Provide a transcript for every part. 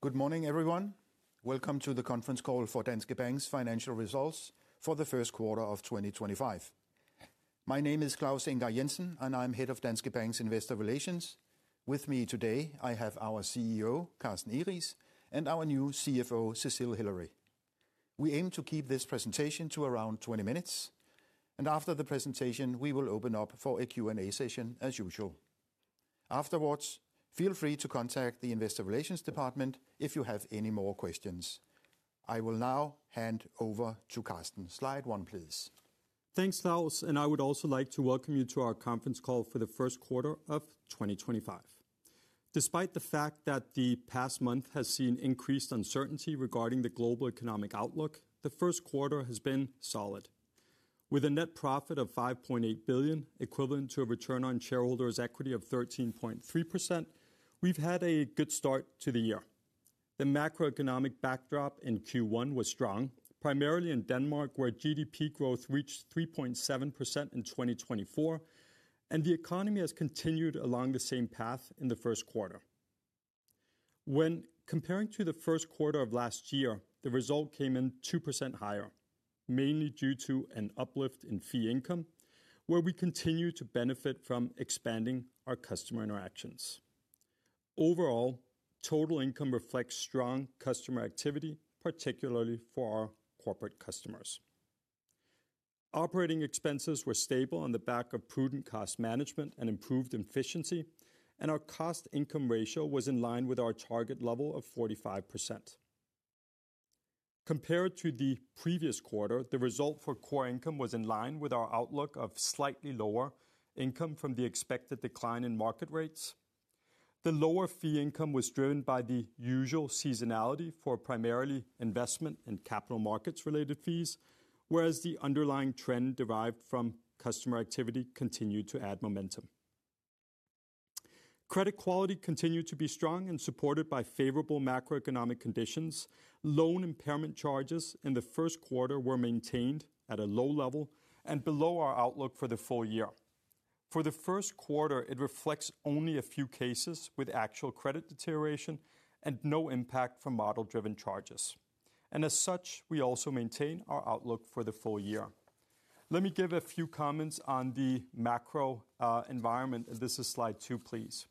Good morning, everyone. Welcome to the conference call for Danske Bank's financial results for the first quarter of 2025. My name is Claus Ingar Jensen, and I'm Head of Danske Bank's Investor Relations. With me today, I have our CEO, Carsten Egeriis, and our new CFO, Cecile Hillary. We aim to keep this presentation to around 20 minutes, and after the presentation, we will open up for a Q&A session as usual. Afterwards, feel free to contact the investor relations department if you have any more questions. I will now hand over to Carsten. Slide one, please. Thanks, Claus. I would also like to welcome you to our conference call for the first quarter of 2025. Despite the fact that the past month has seen increased uncertainty regarding the global economic outlook, the first quarter has been solid. With a net profit of 5.8 billion, equivalent to a return on shareholders' equity of 13.3%, we've had a good start to the year. The macroeconomic backdrop in Q1 was strong, primarily in Denmark, where GDP growth reached 3.7% in 2024, and the economy has continued along the same path in the first quarter. When comparing to the first quarter of last year, the result came in 2% higher, mainly due to an uplift in fee income, where we continue to benefit from expanding our customer interactions. Overall, total income reflects strong customer activity, particularly for our corporate customers. Operating expenses were stable on the back of prudent cost management and improved efficiency, and our cost-to-income ratio was in line with our target level of 45%. Compared to the previous quarter, the result for core income was in line with our outlook of slightly lower income from the expected decline in market rates. The lower fee income was driven by the usual seasonality for primarily investment and capital markets-related fees, whereas the underlying trend derived from customer activity continued to add momentum. Credit quality continued to be strong and supported by favorable macroeconomic conditions. Loan impairment charges in the first quarter were maintained at a low level and below our outlook for the full year. For the first quarter, it reflects only a few cases with actual credit deterioration and no impact from model-driven charges. As such, we also maintain our outlook for the full year. Let me give a few comments on the macro environment. This is slide two, please.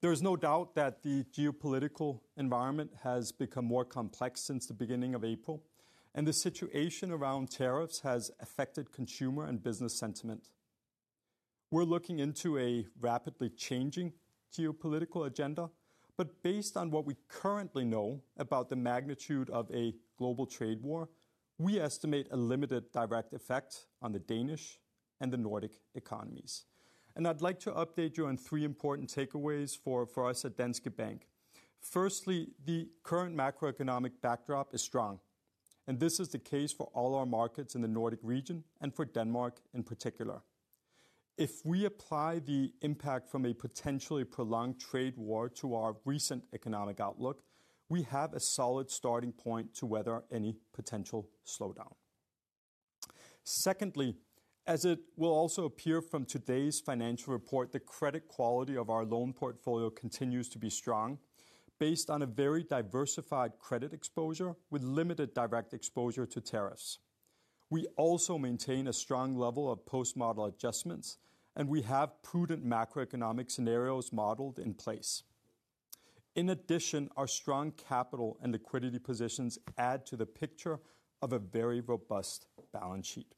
There is no doubt that the geopolitical environment has become more complex since the beginning of April, and the situation around tariffs has affected consumer and business sentiment. We are looking into a rapidly changing geopolitical agenda, but based on what we currently know about the magnitude of a global trade war, we estimate a limited direct effect on the Danish and the Nordic economies. I would like to update you on three important takeaways for us at Danske Bank. Firstly, the current macroeconomic backdrop is strong, and this is the case for all our markets in the Nordic region and for Denmark in particular. If we apply the impact from a potentially prolonged trade war to our recent economic outlook, we have a solid starting point to weather any potential slowdown. Secondly, as it will also appear from today's financial report, the credit quality of our loan portfolio continues to be strong, based on a very diversified credit exposure with limited direct exposure to tariffs. We also maintain a strong level of post-model adjustments, and we have prudent macroeconomic scenarios modeled in place. In addition, our strong capital and liquidity positions add to the picture of a very robust balance sheet.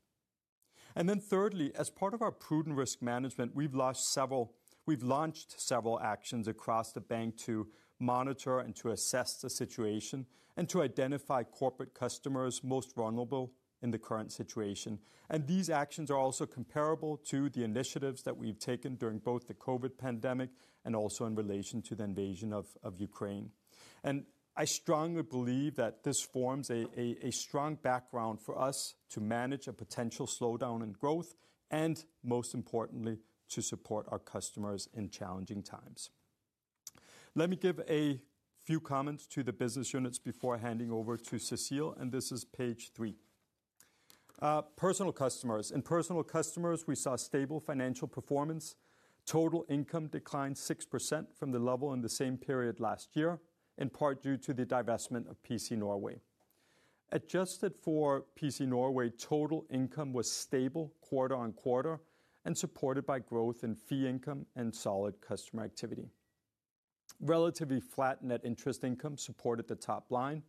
Thirdly, as part of our prudent risk management, we've launched several actions across the bank to monitor and to assess the situation and to identify corporate customers most vulnerable in the current situation. These actions are also comparable to the initiatives that we've taken during both the COVID pandemic and also in relation to the invasion of Ukraine. I strongly believe that this forms a strong background for us to manage a potential slowdown in growth and, most importantly, to support our customers in challenging times. Let me give a few comments to the business units before handing over to Cecile. This is page three. Personal customers. In personal customers, we saw stable financial performance. Total income declined 6% from the level in the same period last year, in part due to the divestment of PC Norway. Adjusted for PC Norway, total income was stable quarter on quarter and supported by growth in fee income and solid customer activity. Relatively flat net interest income supported the top line,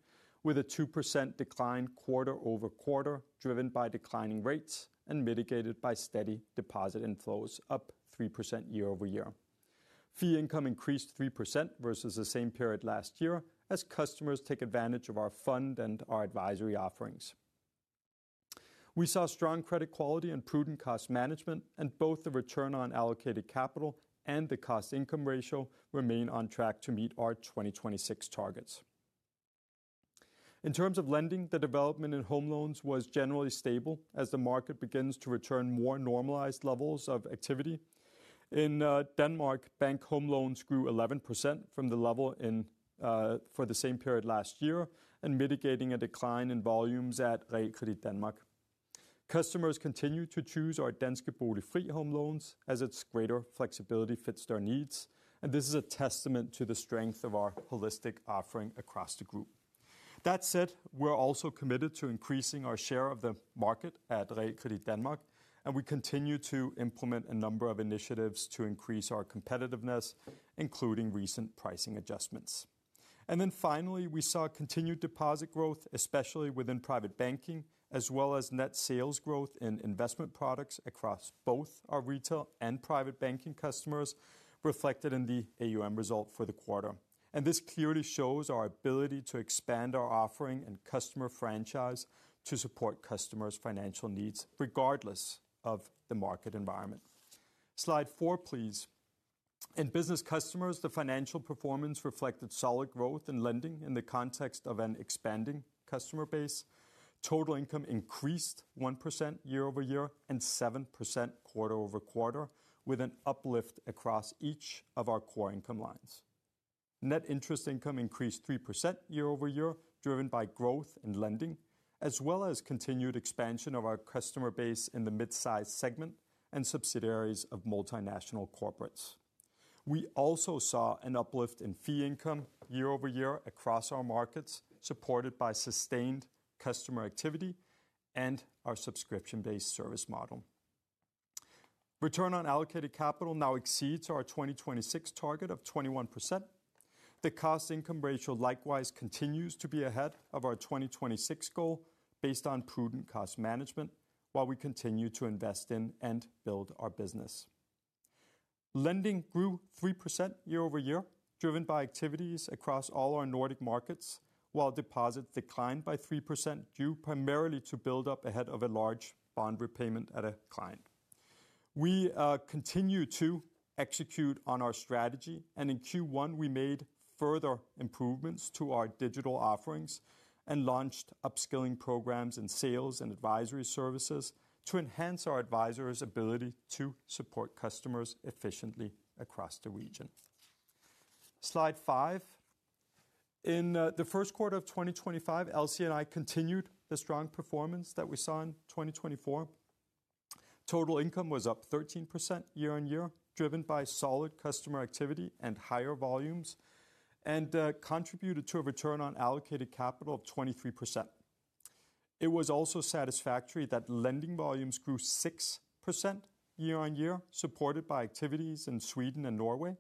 with a 2% decline quarter-over-quarter, driven by declining rates and mitigated by steady deposit inflows, up 3% year-over-year. Fee income increased 3% versus the same period last year, as customers take advantage of our fund and our advisory offerings. We saw strong credit quality and prudent cost management, and both the return on allocated capital and the cost-to-income ratio remain on track to meet our 2026 targets. In terms of lending, the development in home loans was generally stable, as the market begins to return to more normalized levels of activity. In Denmark, bank home loans grew 11% from the level for the same period last year, and mitigating a decline in volumes at Realkredit Danmark. Customers continue to choose our Danske Bolig Fri home loans, as its greater flexibility fits their needs, and this is a testament to the strength of our holistic offering across the group. That said, we're also committed to increasing our share of the market at Realkredit Danmark, and we continue to implement a number of initiatives to increase our competitiveness, including recent pricing adjustments. Finally, we saw continued deposit growth, especially within private banking, as well as net sales growth in investment products across both our retail and private banking customers, reflected in the AUM result for the quarter. This clearly shows our ability to expand our offering and customer franchise to support customers' financial needs, regardless of the market environment. Slide four, please. In business customers, the financial performance reflected solid growth in lending in the context of an expanding customer base. Total income increased 1% year-over-year and 7% quarter-over-quarter, with an uplift across each of our core income lines. Net interest income increased 3% year-over-year, driven by growth in lending, as well as continued expansion of our customer base in the mid-size segment and subsidiaries of multinational corporates. We also saw an uplift in fee income year-over-year across our markets, supported by sustained customer activity and our subscription-based service model. Return on allocated capital now exceeds our 2026 target of 21%. The cost-to-income ratio likewise continues to be ahead of our 2026 goal, based on prudent cost management, while we continue to invest in and build our business. Lending grew 3% year-over-year, driven by activities across all our Nordic markets, while deposits declined by 3%, due primarily to build up ahead of a large bond repayment at a client. We continue to execute on our strategy, and in Q1, we made further improvements to our digital offerings and launched upskilling programs in sales and advisory services to enhance our advisors' ability to support customers efficiently across the region. Slide five. In the first quarter of 2025, LC&I continued the strong performance that we saw in 2024. Total income was up 13% year on year, driven by solid customer activity and higher volumes, and contributed to a return on allocated capital of 23%. It was also satisfactory that lending volumes grew 6% year on year, supported by activities in Sweden and Norway,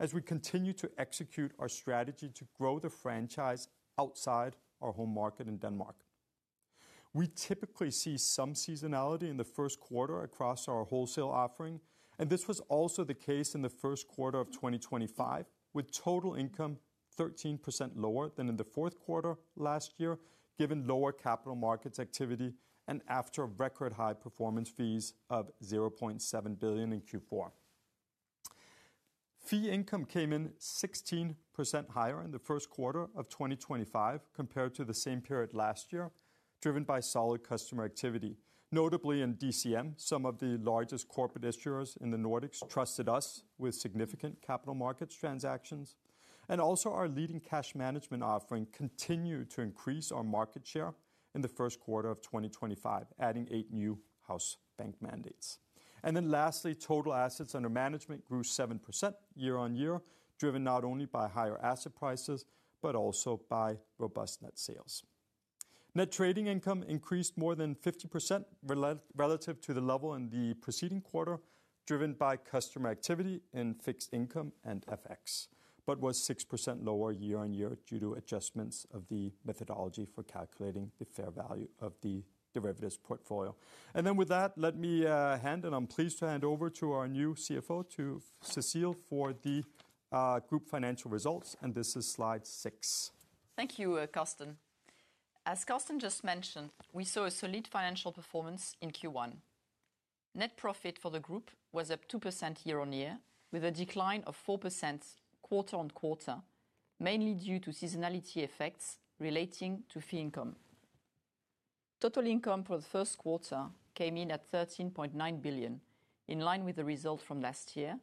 as we continue to execute our strategy to grow the franchise outside our home market in Denmark. We typically see some seasonality in the first quarter across our wholesale offering, and this was also the case in the first quarter of 2025, with total income 13% lower than in the fourth quarter last year, given lower capital markets activity and after record high performance fees of 0.7 billion in Q4. Fee income came in 16% higher in the first quarter of 2025 compared to the same period last year, driven by solid customer activity. Notably, in DCM, some of the largest corporate issuers in the Nordics trusted us with significant capital markets transactions. Our leading cash management offering continued to increase our market share in the first quarter of 2025, adding eight new house bank mandates. Lastly, total assets under management grew 7% year on year, driven not only by higher asset prices, but also by robust net sales. Net trading income increased more than 50% relative to the level in the preceding quarter, driven by customer activity in fixed income and FX, but was 6% lower year on year due to adjustments of the methodology for calculating the fair value of the derivatives portfolio. With that, let me hand, and I am pleased to hand over to our new CFO, to Cecile, for the group financial results. This is slide six. Thank you, Carsten. As Carsten just mentioned, we saw a solid financial performance in Q1. Net profit for the group was up 2% year on year, with a decline of 4% quarter on quarter, mainly due to seasonality effects relating to fee income. Total income for the first quarter came in at 13.9 billion, in line with the result from last year,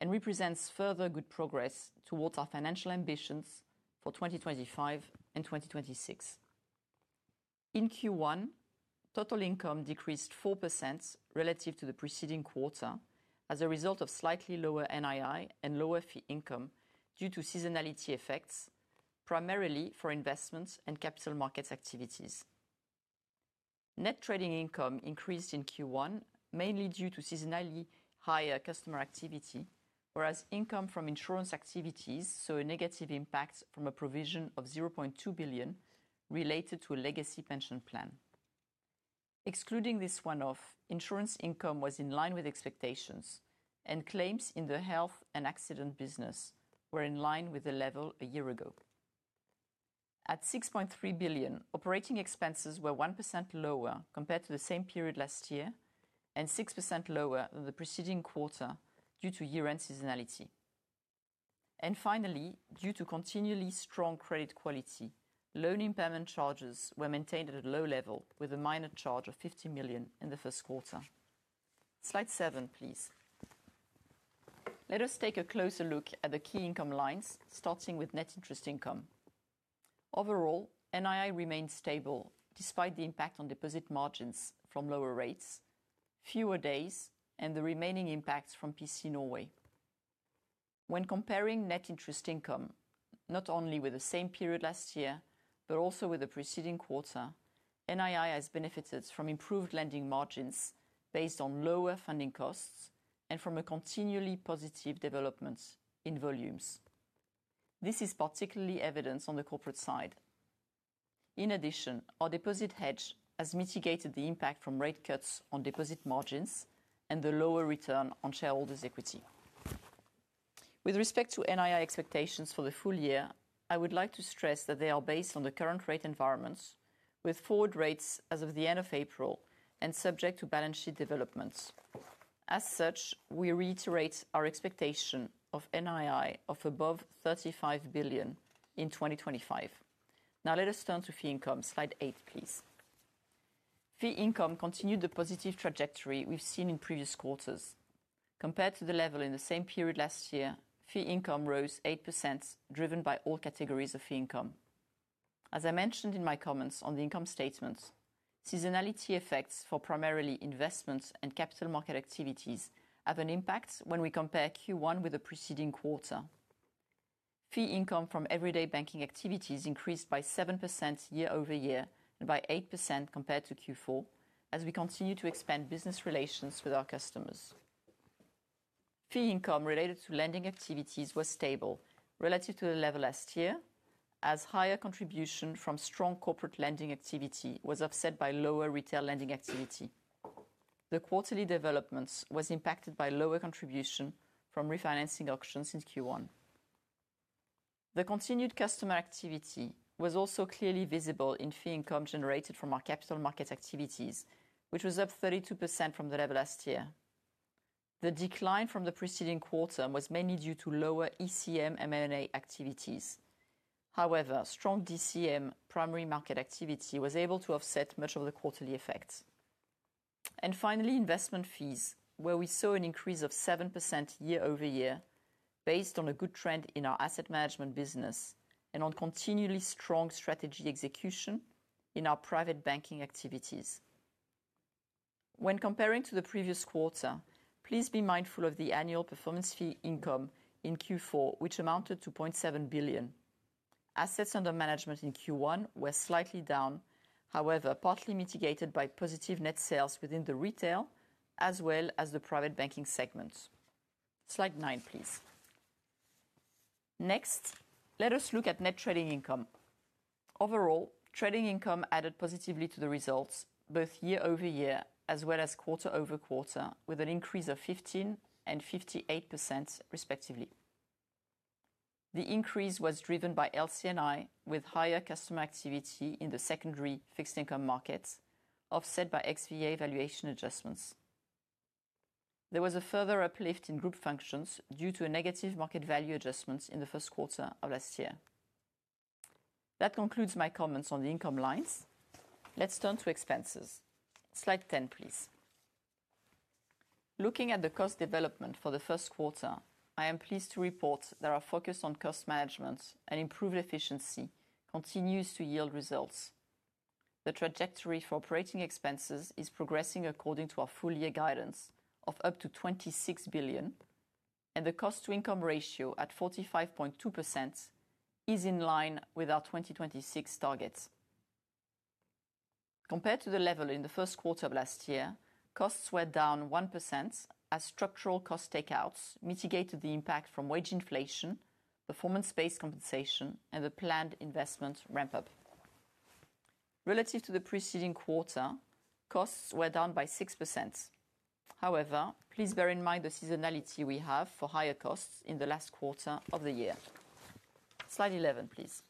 and represents further good progress towards our financial ambitions for 2025 and 2026. In Q1, total income decreased 4% relative to the preceding quarter as a result of slightly lower NII and lower fee income due to seasonality effects, primarily for investments and capital markets activities. Net trading income increased in Q1, mainly due to seasonally higher customer activity, whereas income from insurance activities saw a negative impact from a provision of 0.2 billion related to a legacy pension plan. Excluding this one-off, insurance income was in line with expectations, and claims in the health and accident business were in line with the level a year ago. At 6.3 billion, operating expenses were 1% lower compared to the same period last year and 6% lower than the preceding quarter due to year-end seasonality. Finally, due to continually strong credit quality, loan impairment charges were maintained at a low level with a minor charge of 50 million in the first quarter. Slide seven, please. Let us take a closer look at the key income lines, starting with net interest income. Overall, NII remained stable despite the impact on deposit margins from lower rates, fewer days, and the remaining impacts from PC Norway. When comparing net interest income, not only with the same period last year, but also with the preceding quarter, NII has benefited from improved lending margins based on lower funding costs and from a continually positive development in volumes. This is particularly evident on the corporate side. In addition, our deposit hedge has mitigated the impact from rate cuts on deposit margins and the lower return on shareholders' equity. With respect to NII expectations for the full year, I would like to stress that they are based on the current rate environments, with forward rates as of the end of April and subject to balance sheet developments. As such, we reiterate our expectation of NII of above 35 billion in 2025. Now, let us turn to fee income. Slide eight, please. Fee income continued the positive trajectory we've seen in previous quarters. Compared to the level in the same period last year, fee income rose 8%, driven by all categories of fee income. As I mentioned in my comments on the income statement, seasonality effects for primarily investments and capital market activities have an impact when we compare Q1 with the preceding quarter. Fee income from everyday banking activities increased by 7% year-over-year and by 8% compared to Q4, as we continue to expand business relations with our customers. Fee income related to lending activities was stable relative to the level last year, as higher contribution from strong corporate lending activity was offset by lower retail lending activity. The quarterly developments were impacted by lower contribution from refinancing auctions in Q1. The continued customer activity was also clearly visible in fee income generated from our capital market activities, which was up 32% from the level last year. The decline from the preceding quarter was mainly due to lower ECM M&A activities. However, strong DCM primary market activity was able to offset much of the quarterly effects. Finally, investment fees, where we saw an increase of 7% year-over-year, based on a good trend in our asset management business and on continually strong strategy execution in our private banking activities. When comparing to the previous quarter, please be mindful of the annual performance fee income in Q4, which amounted to 0.7 billion. Assets under management in Q1 were slightly down, however, partly mitigated by positive net sales within the retail as well as the private banking segments. Slide nine, please. Next, let us look at net trading income. Overall, trading income added positively to the results, both year-over-year as well as quarter-over-quarter, with an increase of 15% and 58%, respectively. The increase was driven by LC&I, with higher customer activity in the secondary fixed income markets, offset by xVA valuation adjustments. There was a further uplift in group functions due to negative market value adjustments in the first quarter of last year. That concludes my comments on the income lines. Let's turn to expenses. Slide 10, please. Looking at the cost development for the first quarter, I am pleased to report that our focus on cost management and improved efficiency continues to yield results. The trajectory for operating expenses is progressing according to our full-year guidance of up to 26 billion, and the cost-to-income ratio at 45.2% is in line with our 2026 target. Compared to the level in the first quarter of last year, costs were down 1% as structural cost takeouts mitigated the impact from wage inflation, performance-based compensation, and the planned investment ramp-up. Relative to the preceding quarter, costs were down by 6%. However, please bear in mind the seasonality we have for higher costs in the last quarter of the year. Slide 11, please.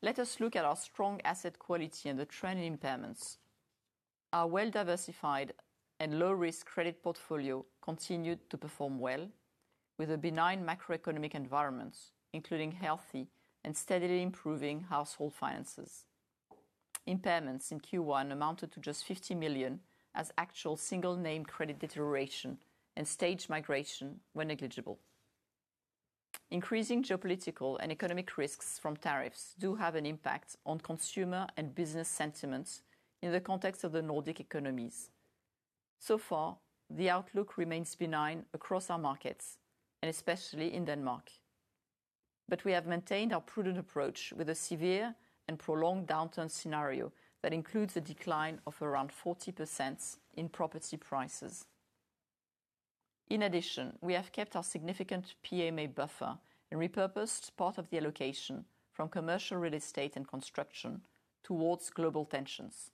Let us look at our strong asset quality and the trend in impairments. Our well-diversified and low-risk credit portfolio continued to perform well, with a benign macroeconomic environment, including healthy and steadily improving household finances. Impairments in Q1 amounted to just 50 million as actual single-name credit deterioration and stage migration were negligible. Increasing geopolitical and economic risks from tariffs do have an impact on consumer and business sentiments in the context of the Nordic economies. The outlook remains benign across our markets, and especially in Denmark. We have maintained our prudent approach with a severe and prolonged downturn scenario that includes a decline of around 40% in property prices. In addition, we have kept our significant PMA buffer and repurposed part of the allocation from commercial real estate and construction towards global tensions.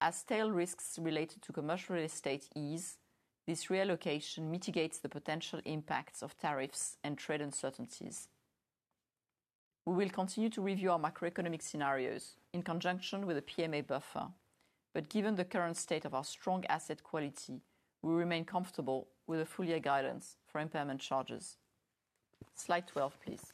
As tail risks related to commercial real estate ease, this reallocation mitigates the potential impacts of tariffs and trade uncertainties. We will continue to review our macroeconomic scenarios in conjunction with a PMA buffer, but given the current state of our strong asset quality, we remain comfortable with a full-year guidance for impairment charges. Slide 12, please.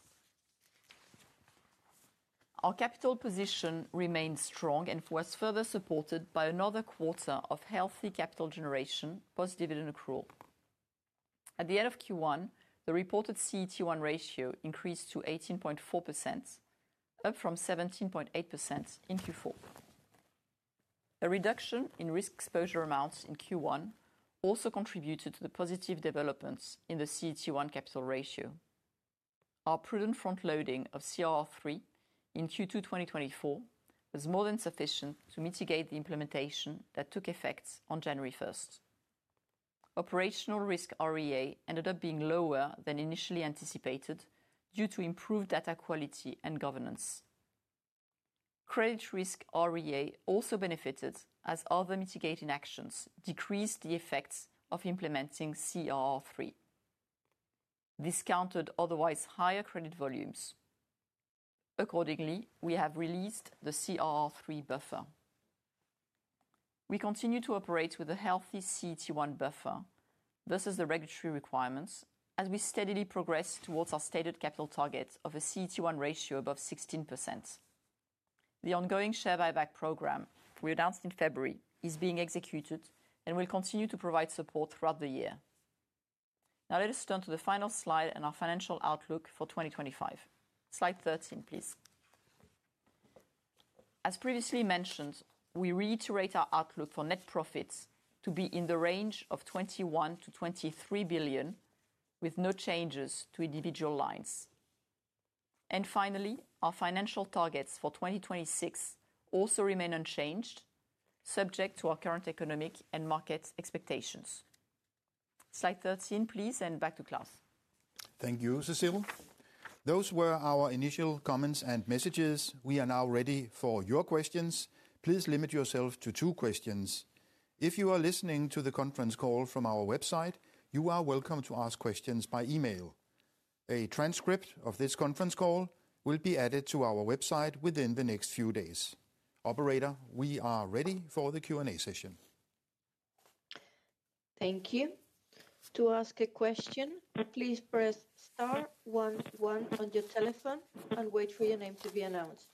Our capital position remains strong and was further supported by another quarter of healthy capital generation post-dividend accrual. At the end of Q1, the reported CET1 ratio increased to 18.4%, up from 17.8% in Q4. The reduction in risk exposure amounts in Q1 also contributed to the positive developments in the CET1 capital ratio. Our prudent front-loading of CRR3 in Q2 2024 was more than sufficient to mitigate the implementation that took effect on January 1st. Operational risk REA ended up being lower than initially anticipated due to improved data quality and governance. Credit risk REA also benefited as other mitigating actions decreased the effects of implementing CRR3, discounted otherwise higher credit volumes. Accordingly, we have released the CRR3 buffer. We continue to operate with a healthy CET1 buffer versus the regulatory requirements as we steadily progress towards our stated capital target of a CET1 ratio above 16%. The ongoing share buyback program we announced in February is being executed and will continue to provide support throughout the year. Now, let us turn to the final slide and our financial outlook for 2025. Slide 13, please. As previously mentioned, we reiterate our outlook for net profits to be in the range of 21 billion-23 billion, with no changes to individual lines. Finally, our financial targets for 2026 also remain unchanged, subject to our current economic and market expectations. Slide 13, please, and back to Claus. Thank you, Cecile. Those were our initial comments and messages. We are now ready for your questions. Please limit yourself to two questions. If you are listening to the conference call from our website, you are welcome to ask questions by email. A transcript of this conference call will be added to our website within the next few days. Operator, we are ready for the Q&A session. Thank you. To ask a question, please press star 11 on your telephone and wait for your name to be announced.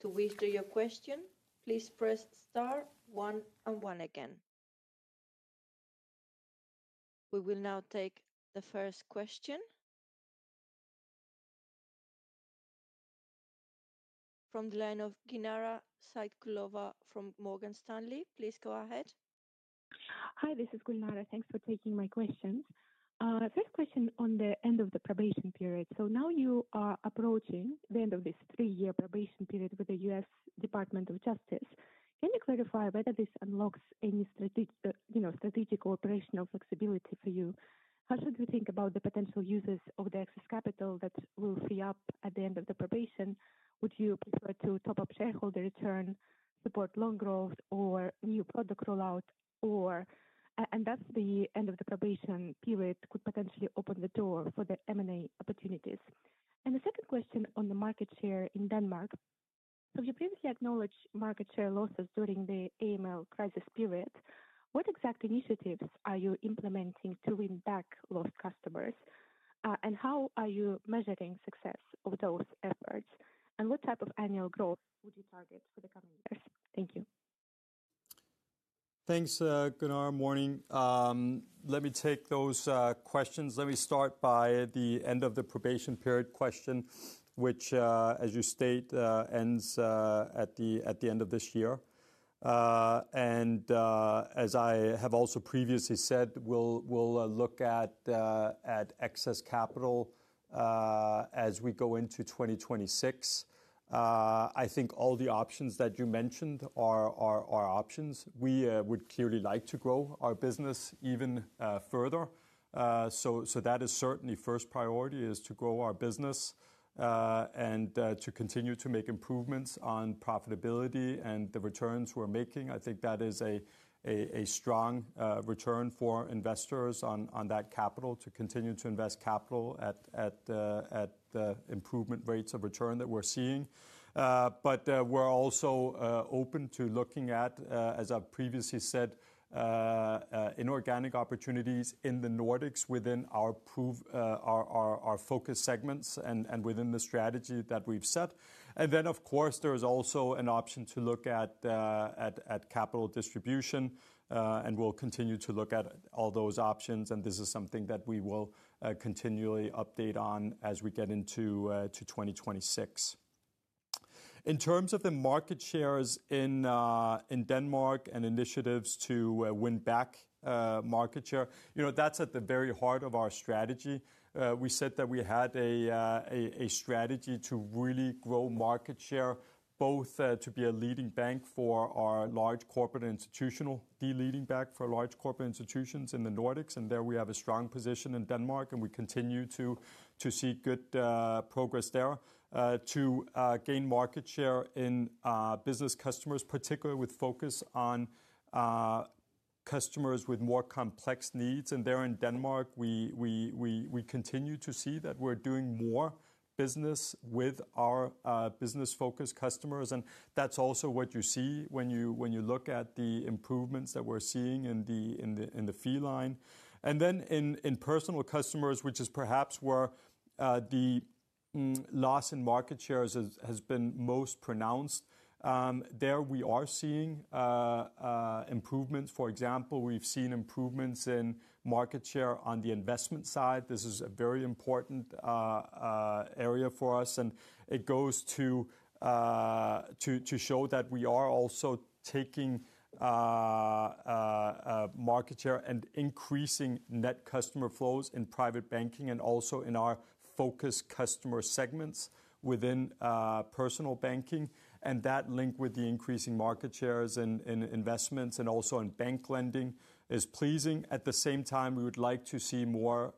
To withdraw your question, please press star 11 again. We will now take the first question from the line of Gulnara Saitkulova from Morgan Stanley. Please go ahead. Hi, this is Gulnara. Thanks for taking my questions. First question on the end of the probation period. Now you are approaching the end of this three-year probation period with the U.S. Department of Justice. Can you clarify whether this unlocks any strategic or operational flexibility for you? How should we think about the potential uses of the excess capital that will free up at the end of the probation? Would you prefer to top up shareholder return, support loan growth, or new product rollout? The end of the probation period could potentially open the door for M&A opportunities. The second question on the market share in Denmark. You previously acknowledged market share losses during the AML crisis period. What exact initiatives are you implementing to win back lost customers? How are you measuring success of those efforts? What type of annual growth would you target for the coming years? Thank you. Thanks, Gulnara. Morning. Let me take those questions. Let me start by the end of the probation period question, which, as you state, ends at the end of this year. As I have also previously said, we'll look at excess capital as we go into 2026. I think all the options that you mentioned are options. We would clearly like to grow our business even further. That is certainly first priority, to grow our business and to continue to make improvements on profitability and the returns we're making. I think that is a strong return for investors on that capital to continue to invest capital at the improvement rates of return that we're seeing. We are also open to looking at, as I've previously said, inorganic opportunities in the Nordics within our focus segments and within the strategy that we've set. There is also an option to look at capital distribution, and we'll continue to look at all those options. This is something that we will continually update on as we get into 2026. In terms of the market shares in Denmark and initiatives to win back market share, that's at the very heart of our strategy. We said that we had a strategy to really grow market share, both to be a leading bank for our large corporate institutional, be leading bank for large corporate institutions in the Nordics. There we have a strong position in Denmark, and we continue to see good progress there to gain market share in business customers, particularly with focus on customers with more complex needs. There in Denmark, we continue to see that we're doing more business with our business-focused customers. That is also what you see when you look at the improvements that we're seeing in the fee line. Then in personal customers, which is perhaps where the loss in market shares has been most pronounced, there we are seeing improvements. For example, we've seen improvements in market share on the investment side. This is a very important area for us. It goes to show that we are also taking market share and increasing net customer flows in private banking and also in our focus customer segments within personal banking. That link with the increasing market shares in investments and also in bank lending is pleasing. At the same time, we would like to see more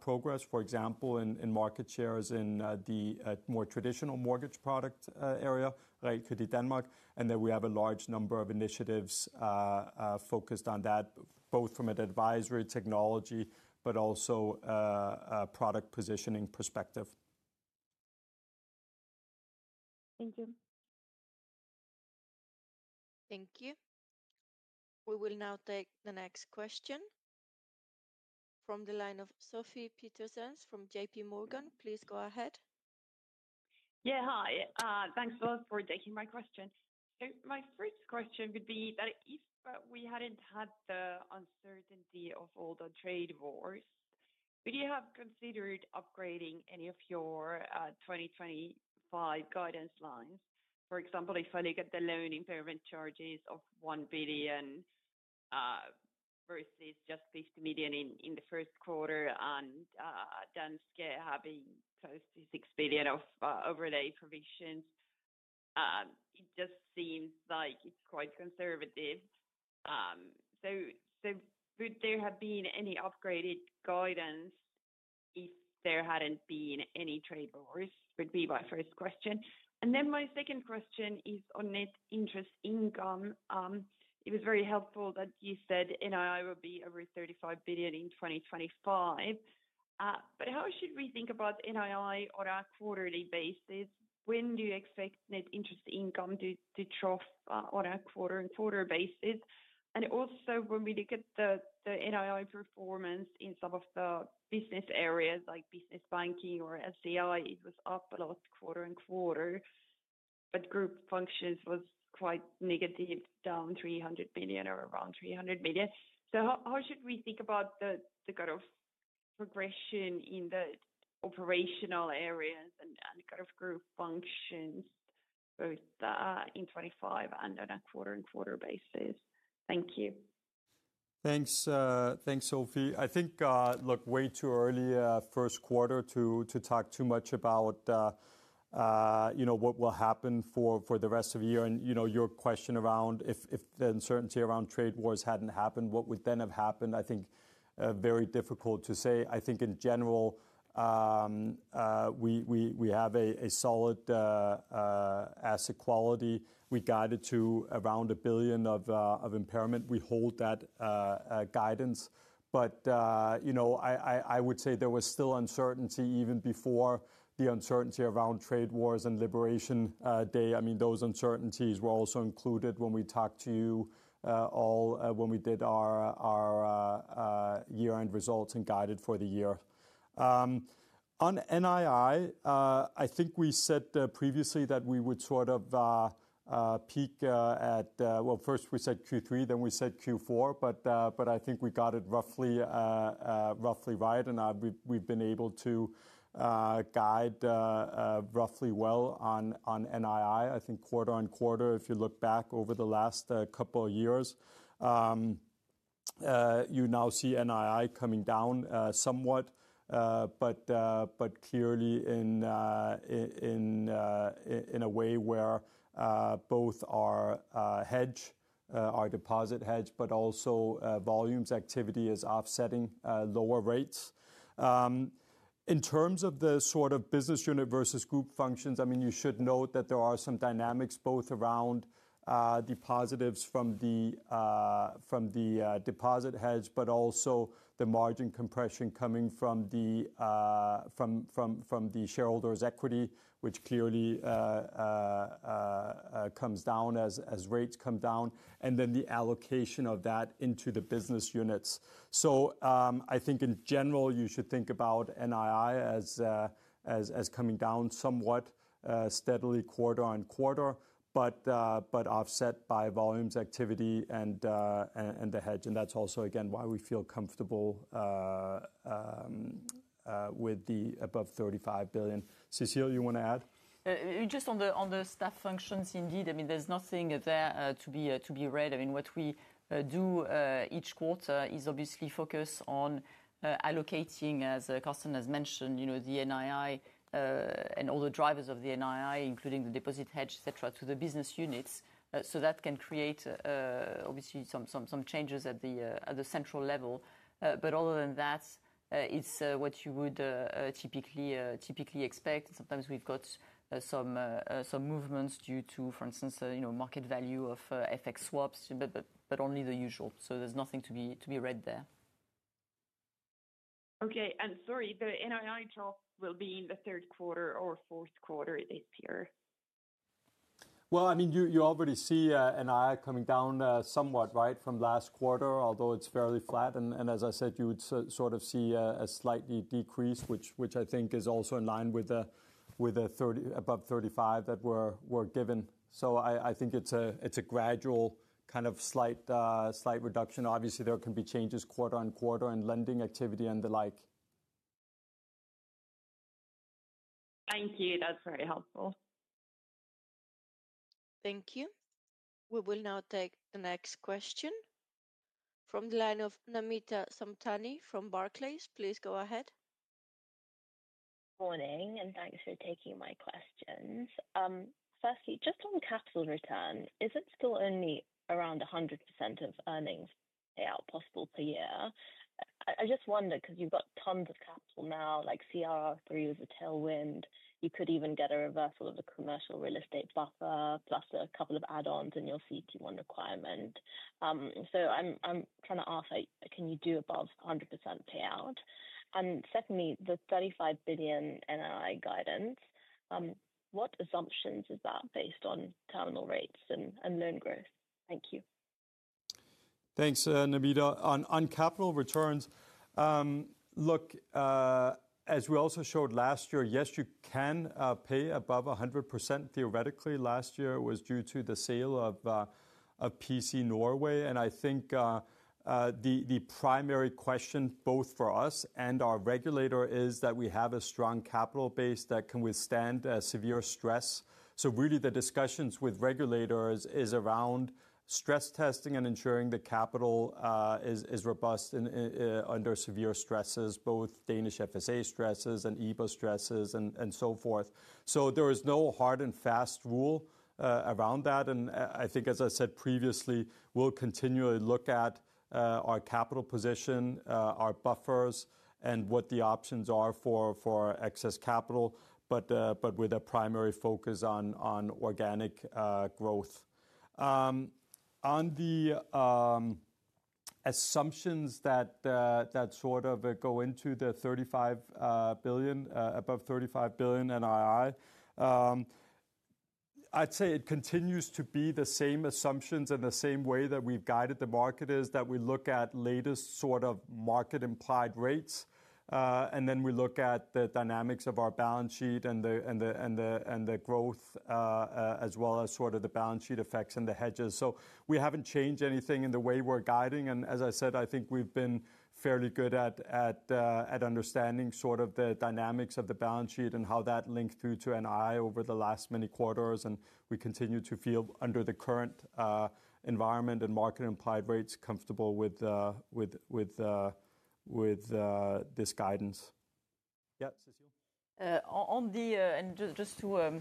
progress, for example, in market shares in the more traditional mortgage product area, like Realkredit Danmark. We have a large number of initiatives focused on that, both from an advisory technology, but also a product positioning perspective. Thank you. Thank you. We will now take the next question from the line of Sofie Peterzens from JPMorgan. Please go ahead. Yeah, hi. Thanks both for taking my question. My first question would be that if we had not had the uncertainty of all the trade wars, would you have considered upgrading any of your 2025 guidance lines? For example, if I look at the loan impairment charges of 1 billion versus just 50 million in the first quarter and Danske having close to 6 billion of overlay provisions, it just seems like it is quite conservative. Would there have been any upgraded guidance if there had not been any trade wars? That would be my first question. My second question is on net interest income. It was very helpful that you said NII will be over 35 billion in 2025. How should we think about NII on a quarterly basis? When do you expect net interest income to trough on a quarter-on-quarter basis? Also, when we look at the NII performance in some of the business areas, like business banking or SEI, it was up a lot quarter-on-quarter, but group functions was quite negative, down 300 million or around 300 million. How should we think about the kind of progression in the operational areas and kind of group functions, both in 2025 and on a quarter-on-quarter basis? Thank you. Thanks, Sofie. I think, look, way too early first quarter to talk too much about what will happen for the rest of the year. Your question around if the uncertainty around trade wars had not happened, what would then have happened? I think very difficult to say. I think in general, we have a solid asset quality. We guided to around 1 billion of impairment. We hold that guidance. I would say there was still uncertainty even before the uncertainty around trade wars and Liberation Day. I mean, those uncertainties were also included when we talked to you all when we did our year-end results and guided for the year. On NII, I think we said previously that we would sort of peak at, well, first we said Q3, then we said Q4, but I think we got it roughly right. We have been able to guide roughly well on NII. I think quarter-on-quarter, if you look back over the last couple of years, you now see NII coming down somewhat, but clearly in a way where both our hedge, our deposit hedge, but also volumes activity is offsetting lower rates. In terms of the sort of business unit versus group functions, I mean, you should note that there are some dynamics both around depositives from the deposit hedge, but also the margin compression coming from the shareholders' equity, which clearly comes down as rates come down, and then the allocation of that into the business units. I think in general, you should think about NII as coming down somewhat steadily quarter-on-quarter, but offset by volumes activity and the hedge. That is also, again, why we feel comfortable with the above 35 billion. Cecile, you want to add? Just on the staff functions, indeed, I mean, there's nothing there to be read. I mean, what we do each quarter is obviously focus on allocating, as Carsten has mentioned, the NII and all the drivers of the NII, including the deposit hedge, etc., to the business units. That can create obviously some changes at the central level. Other than that, it's what you would typically expect. Sometimes we've got some movements due to, for instance, market value of FX swaps, but only the usual. There's nothing to be read there. Okay. Sorry, the NII trough will be in the third quarter or fourth quarter this year? I mean, you already see NII coming down somewhat, right, from last quarter, although it is fairly flat. As I said, you would sort of see a slight decrease, which I think is also in line with above 35 that we are given. I think it is a gradual kind of slight reduction. Obviously, there can be changes quarter-on-quarter in lending activity and the like. Thank you. That's very helpful. Thank you. We will now take the next question from the line of Namita Samtani from Barclays. Please go ahead. Morning, and thanks for taking my questions. Firstly, just on capital return, is it still only around 100% of earnings payout possible per year? I just wonder because you've got tons of capital now, like CRR3 was a tailwind. You could even get a reversal of the commercial real estate buffer, plus a couple of add-ons in your CET1 requirement. I'm trying to ask, can you do above 100% payout? Secondly, the 35 billion NII guidance, what assumptions is that based on terminal rates and loan growth? Thank you. Thanks, Namita. On capital returns, look, as we also showed last year, yes, you can pay above 100% theoretically. Last year was due to the sale of PC Norway. I think the primary question both for us and our regulator is that we have a strong capital base that can withstand severe stress. Really, the discussions with regulators is around stress testing and ensuring the capital is robust under severe stresses, both Danish FSA stresses and EBA stresses and so forth. There is no hard and fast rule around that. I think, as I said previously, we'll continually look at our capital position, our buffers, and what the options are for excess capital, but with a primary focus on organic growth. On the assumptions that sort of go into the 35 billion, above 35 billion NII, I'd say it continues to be the same assumptions in the same way that we've guided the market, is that we look at latest sort of market implied rates, and then we look at the dynamics of our balance sheet and the growth, as well as sort of the balance sheet effects and the hedges. We haven't changed anything in the way we're guiding. As I said, I think we've been fairly good at understanding sort of the dynamics of the balance sheet and how that linked through to NII over the last many quarters. We continue to feel under the current environment and market implied rates comfortable with this guidance. Yeah, Cecile? Just to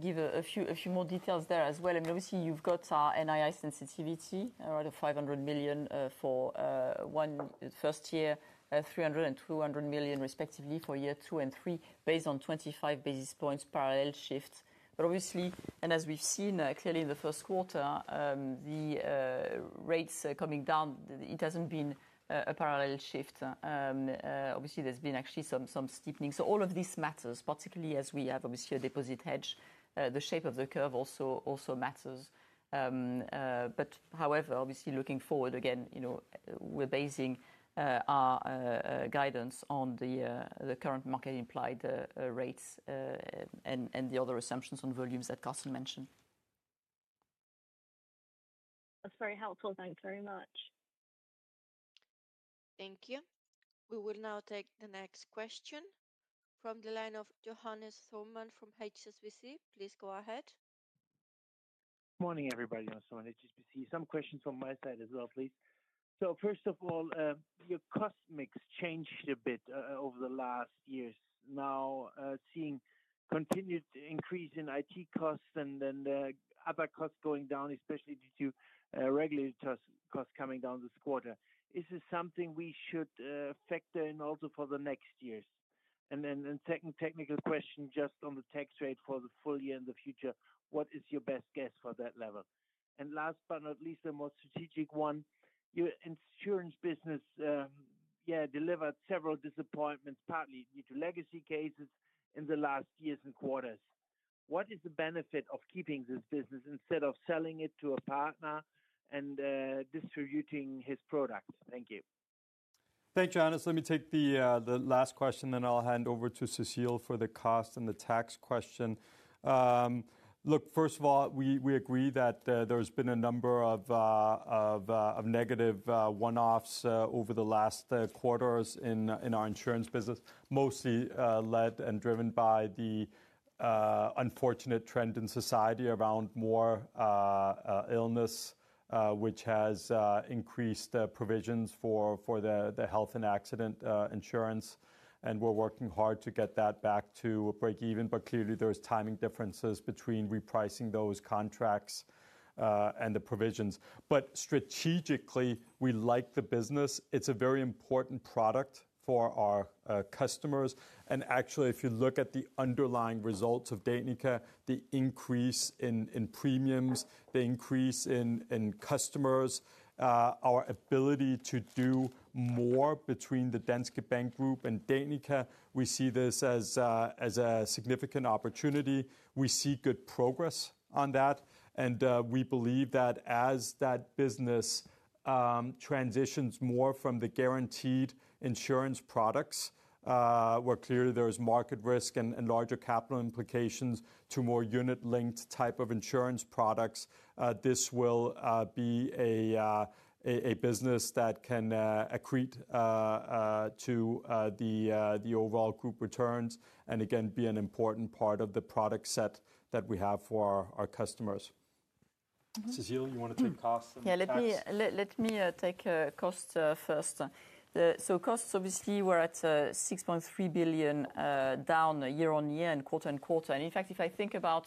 give a few more details there as well, I mean, obviously, you've got NII sensitivity, around 500 million for one first year, 300 million and 200 million, respectively, for year two and three, based on 25 basis points parallel shifts. Obviously, and as we've seen clearly in the first quarter, the rates coming down, it hasn't been a parallel shift. There's been actually some steepening. All of this matters, particularly as we have obviously a deposit hedge. The shape of the curve also matters. However, obviously, looking forward, again, we're basing our guidance on the current market implied rates and the other assumptions on volumes that Carsten mentioned. That's very helpful. Thanks very much. Thank you. We will now take the next question from the line of Johannes Thormann from HSBC. Please go ahead. Morning, everybody. I'm someone at HSBC. Some questions from my side as well, please. First of all, your cost mix changed a bit over the last years. Now, seeing continued increase in IT costs and other costs going down, especially due to regulator costs coming down this quarter. Is this something we should factor in also for the next years? Second technical question, just on the tax rate for the full year in the future, what is your best guess for that level? Last but not least, the more strategic one, your insurance business, yeah, delivered several disappointments, partly due to legacy cases in the last years and quarters. What is the benefit of keeping this business instead of selling it to a partner and distributing his product? Thank you. Thanks, Johannes. Let me take the last question, then I'll hand over to Cecile for the cost and the tax question. Look, first of all, we agree that there has been a number of negative one-offs over the last quarters in our insurance business, mostly led and driven by the unfortunate trend in society around more illness, which has increased provisions for the health and accident insurance. We're working hard to get that back to break even, but clearly, there are timing differences between repricing those contracts and the provisions. Strategically, we like the business. It's a very important product for our customers. Actually, if you look at the underlying results of Danica, the increase in premiums, the increase in customers, our ability to do more between the Danske Bank Group and Danica, we see this as a significant opportunity. We see good progress on that. We believe that as that business transitions more from the guaranteed insurance products, where clearly there is market risk and larger capital implications, to more unit-linked type of insurance products, this will be a business that can accrete to the overall group returns and, again, be an important part of the product set that we have for our customers. Cecile, you want to take costs? Yeah, let me take costs first. Costs, obviously, we're at 6.3 billion, down year on year and quarter on quarter. In fact, if I think about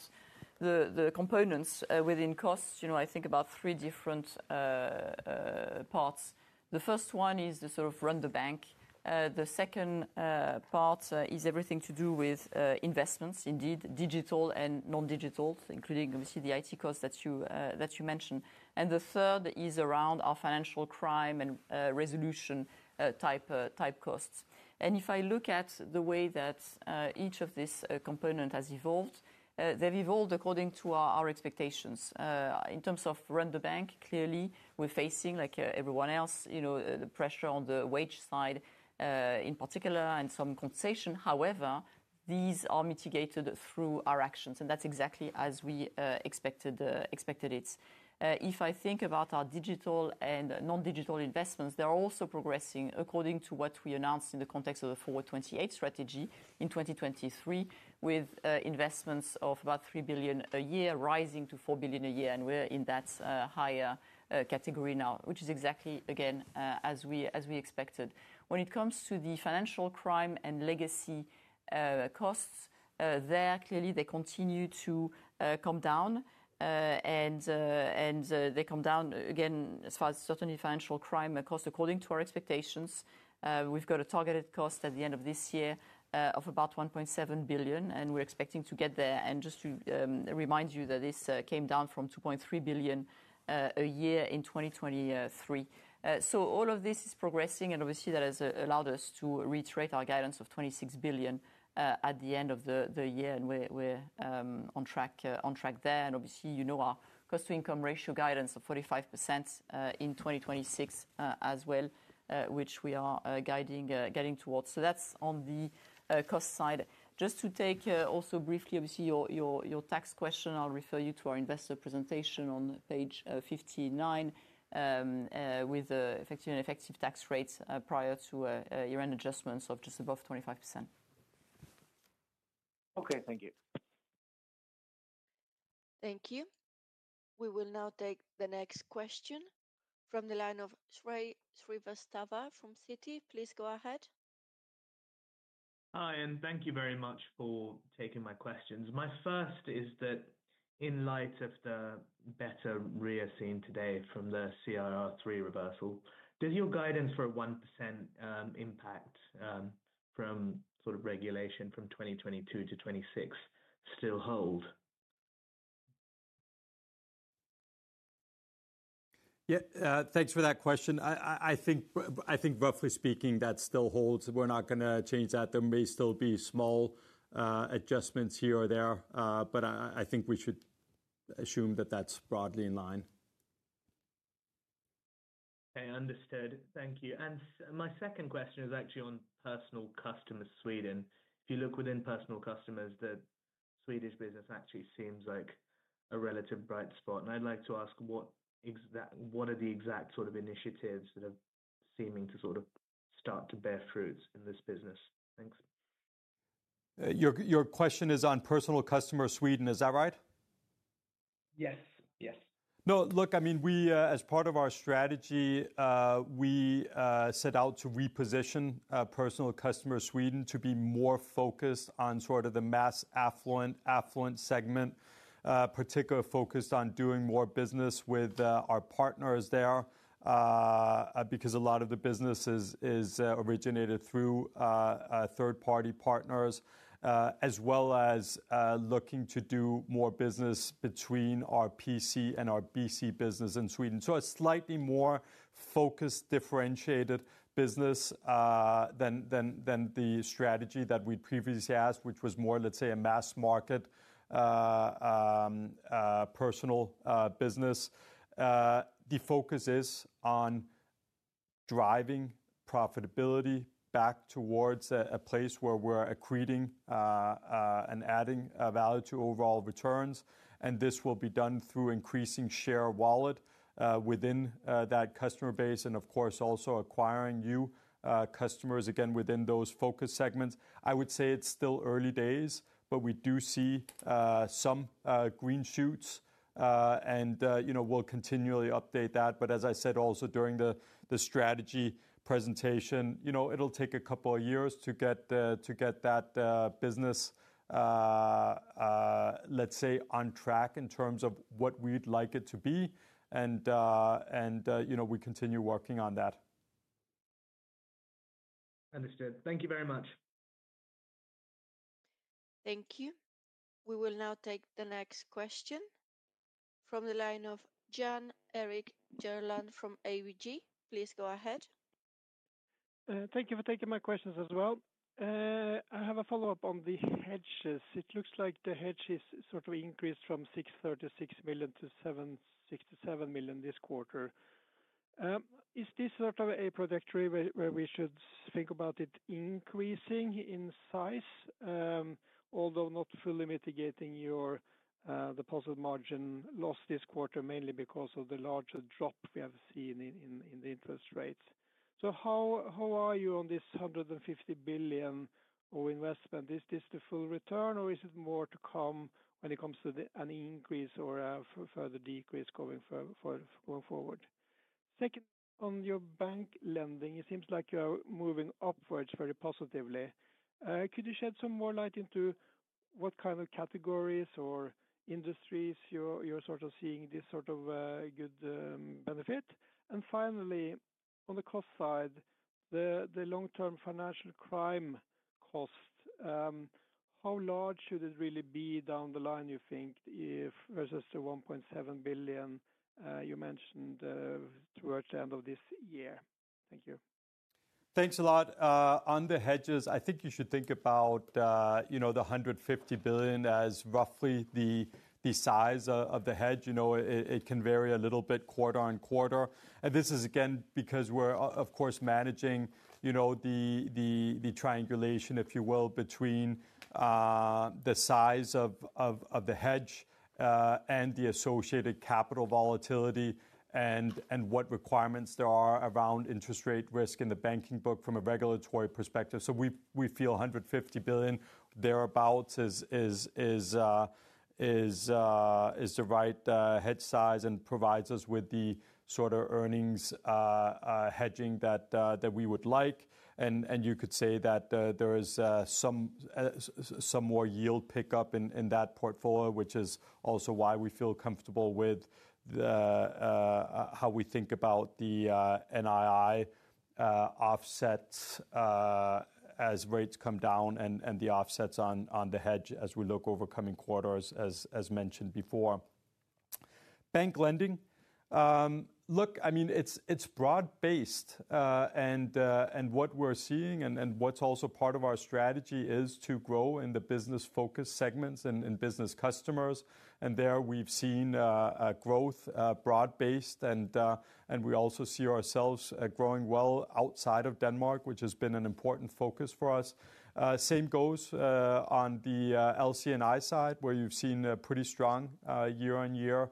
the components within costs, I think about three different parts. The first one is the sort of run the bank. The second part is everything to do with investments, indeed, digital and non-digital, including obviously the IT costs that you mentioned. The third is around our financial crime and resolution type costs. If I look at the way that each of these components has evolved, they've evolved according to our expectations. In terms of run the bank, clearly, we're facing, like everyone else, the pressure on the wage side in particular and some compensation. However, these are mitigated through our actions. That's exactly as we expected it. If I think about our digital and non-digital investments, they're also progressing according to what we announced in the context of the Forward 28 strategy in 2023, with investments of about 3 billion a year rising to 4 billion a year. We're in that higher category now, which is exactly, again, as we expected. When it comes to the financial crime and legacy costs, clearly, they continue to come down. They come down, again, as far as certainly financial crime costs, according to our expectations. We've got a targeted cost at the end of this year of about 1.7 billion. We're expecting to get there. Just to remind you that this came down from 2.3 billion a year in 2023. All of this is progressing. Obviously, that has allowed us to reiterate our guidance of 26 billion at the end of the year. We're on track there. Obviously, you know our cost-to-income ratio guidance of 45% in 2026 as well, which we are guiding towards. That is on the cost side. Just to take also briefly, obviously, your tax question, I'll refer you to our investor presentation on page 59 with effective and effective tax rates prior to year-end adjustments of just above 25%. Okay, thank you. Thank you. We will now take the next question from the line of Shrey Srivastava from Citi. Please go ahead. Hi, and thank you very much for taking my questions. My first is that in light of the better rear scene today from the CRR3 reversal, does your guidance for a 1% impact from sort of regulation from 2022 to 2026 still hold? Yeah, thanks for that question. I think roughly speaking, that still holds. We're not going to change that. There may still be small adjustments here or there, but I think we should assume that that's broadly in line. Okay, understood. Thank you. My second question is actually on personal customers, Sweden. If you look within personal customers, the Swedish business actually seems like a relatively bright spot. I'd like to ask, what are the exact sort of initiatives that are seeming to sort of start to bear fruit in this business? Thanks. Your question is on personal customers, Sweden. Is that right? Yes, yes. No, look, I mean, as part of our strategy, we set out to reposition personal customers, Sweden, to be more focused on sort of the mass affluent segment, particularly focused on doing more business with our partners there because a lot of the business is originated through third-party partners, as well as looking to do more business between our PC and our BC business in Sweden. A slightly more focused, differentiated business than the strategy that we previously asked, which was more, let's say, a mass market personal business. The focus is on driving profitability back towards a place where we're accreting and adding value to overall returns. This will be done through increasing share wallet within that customer base and, of course, also acquiring new customers, again, within those focus segments. I would say it's still early days, but we do see some green shoots. We will continually update that. As I said, also during the strategy presentation, it will take a couple of years to get that business, let's say, on track in terms of what we would like it to be. We continue working on that. Understood. Thank you very much. Thank you. We will now take the next question from the line of Jan Erik Gjerland from ABG. Please go ahead. Thank you for taking my questions as well. I have a follow-up on the hedges. It looks like the hedges sort of increased from 636 million to 767 million this quarter. Is this sort of a trajectory where we should think about it increasing in size, although not fully mitigating the positive margin loss this quarter, mainly because of the large drop we have seen in the interest rates? How are you on this 150 billion of investment? Is this the full return, or is it more to come when it comes to an increase or a further decrease going forward? Second, on your bank lending, it seems like you are moving upwards very positively. Could you shed some more light into what kind of categories or industries you're sort of seeing this sort of good benefit? Finally, on the cost side, the long-term financial crime cost, how large should it really be down the line, you think, versus the 1.7 billion you mentioned towards the end of this year? Thank you. Thanks a lot. On the hedges, I think you should think about the 150 billion as roughly the size of the hedge. It can vary a little bit quarter on quarter. This is, again, because we are, of course, managing the triangulation, if you will, between the size of the hedge and the associated capital volatility and what requirements there are around interest rate risk in the banking book from a regulatory perspective. We feel 150 billion, thereabouts, is the right hedge size and provides us with the sort of earnings hedging that we would like. You could say that there is some more yield pickup in that portfolio, which is also why we feel comfortable with how we think about the NII offsets as rates come down and the offsets on the hedge as we look over coming quarters, as mentioned before. Bank lending, look, I mean, it's broad-based. What we're seeing and what's also part of our strategy is to grow in the business-focused segments and business customers. There we've seen growth broad-based. We also see ourselves growing well outside of Denmark, which has been an important focus for us. The same goes on the LC&I side, where you've seen pretty strong year-on-year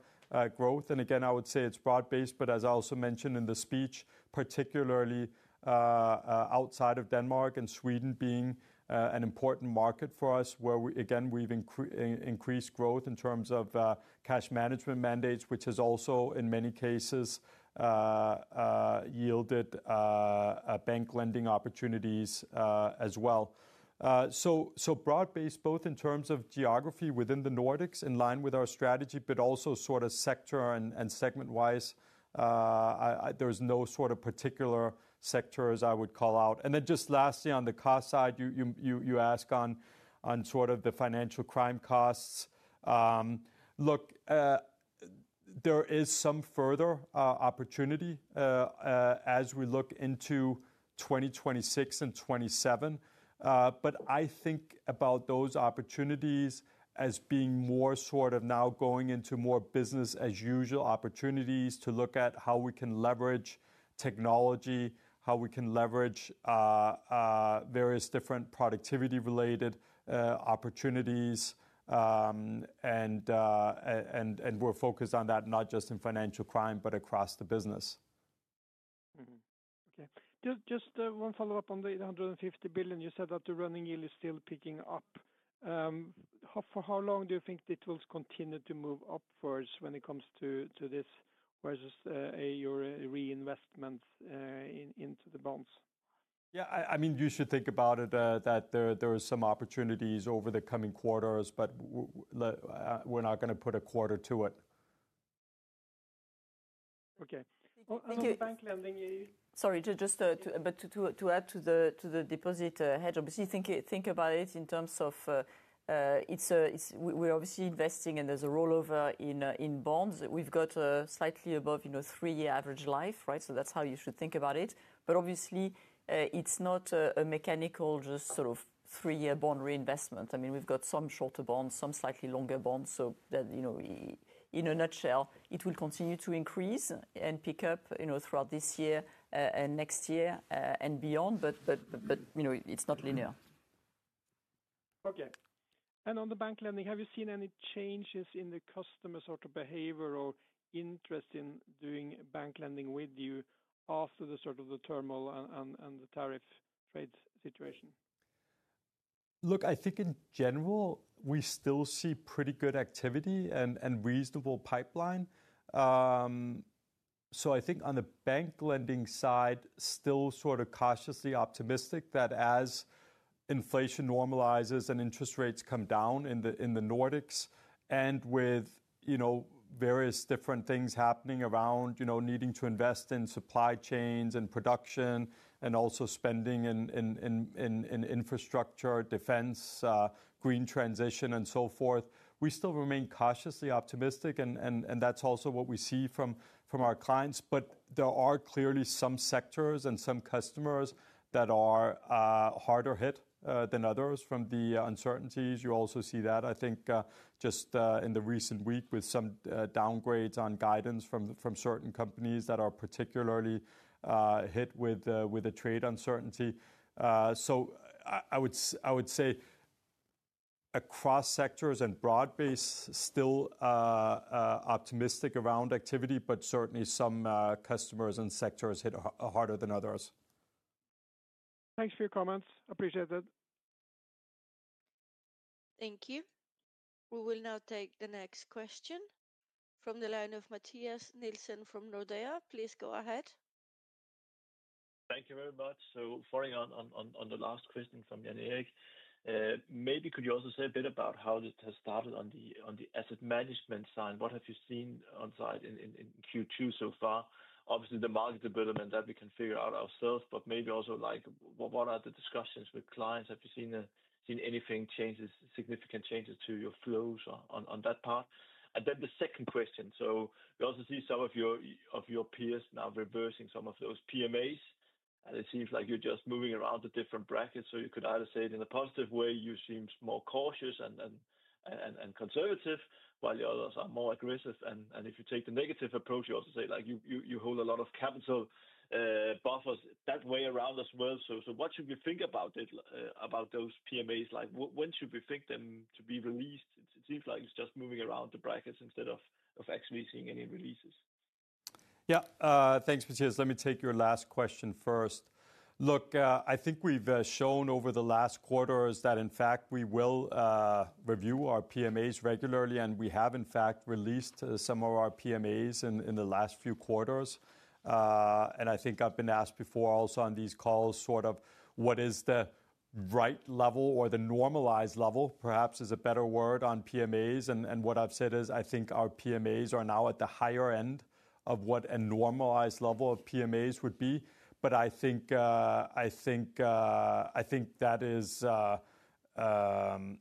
growth. I would say it's broad-based, but as I also mentioned in the speech, particularly outside of Denmark and Sweden being an important market for us, where we've increased growth in terms of cash management mandates, which has also, in many cases, yielded bank lending opportunities as well. Broad-based, both in terms of geography within the Nordics, in line with our strategy, but also sort of sector and segment-wise, there's no particular sectors I would call out. Lastly, on the cost side, you ask on sort of the financial crime costs. Look, there is some further opportunity as we look into 2026 and 2027. I think about those opportunities as being more sort of now going into more business-as-usual opportunities to look at how we can leverage technology, how we can leverage various different productivity-related opportunities. We are focused on that, not just in financial crime, but across the business. Okay. Just one follow-up on the 150 billion. You said that the running yield is still picking up. For how long do you think it will continue to move upwards when it comes to this versus your reinvestment into the bonds? Yeah, I mean, you should think about it that there are some opportunities over the coming quarters, but we're not going to put a quarter to it. Okay. Thank you. Sorry, just to add to the deposit hedge, obviously, think about it in terms of we're obviously investing and there's a rollover in bonds. We've got slightly above a three-year average life, right? That is how you should think about it. Obviously, it's not a mechanical just sort of three-year bond reinvestment. I mean, we've got some shorter bonds, some slightly longer bonds. In a nutshell, it will continue to increase and pick up throughout this year and next year and beyond, but it's not linear. Okay. On the bank lending, have you seen any changes in the customer sort of behavior or interest in doing bank lending with you after the sort of the turmoil and the tariff rate situation? Look, I think in general, we still see pretty good activity and reasonable pipeline. I think on the bank lending side, still sort of cautiously optimistic that as inflation normalizes and interest rates come down in the Nordics and with various different things happening around needing to invest in supply chains and production and also spending in infrastructure, defense, green transition, and so forth, we still remain cautiously optimistic. That is also what we see from our clients. There are clearly some sectors and some customers that are harder hit than others from the uncertainties. You also see that, I think, just in the recent week with some downgrades on guidance from certain companies that are particularly hit with the trade uncertainty. I would say across sectors and broad-based, still optimistic around activity, but certainly some customers and sectors hit harder than others. Thanks for your comments. Appreciate it. Thank you. We will now take the next question from the line of Mathias Nielsen from Nordea. Please go ahead. Thank you very much. Following on the last question from Jan Erik, maybe could you also say a bit about how this has started on the asset management side? What have you seen on site in Q2 so far? Obviously, the market development that we can figure out ourselves, but maybe also what are the discussions with clients? Have you seen any significant changes to your flows on that part? The second question. We also see some of your peers now reversing some of those PMAs. It seems like you're just moving around the different brackets. You could either say it in a positive way, you seem more cautious and conservative, while the others are more aggressive. If you take the negative approach, you also say you hold a lot of capital buffers that way around as well. What should we think about those PMAs? When should we think them to be released? It seems like it's just moving around the brackets instead of actually seeing any releases. Yeah. Thanks, Mathias. Let me take your last question first. Look, I think we've shown over the last quarters that, in fact, we will review our PMAs regularly. We have, in fact, released some of our PMAs in the last few quarters. I think I've been asked before also on these calls sort of what is the right level or the normalized level, perhaps is a better word, on PMAs. What I've said is I think our PMAs are now at the higher end of what a normalized level of PMAs would be. I think that is